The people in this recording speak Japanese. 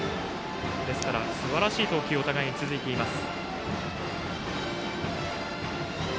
ですからすばらしい投球がお互い続いています。